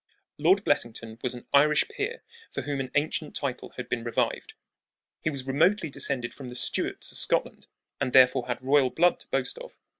Lord Blessington was an Irish peer for whom an ancient title had been revived. He was remotely descended from the Stuarts of Scotland, and therefore had royal blood to boast of.